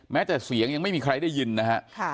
แม้แต่เสียงยังไม่มีใครได้ยินนะฮะ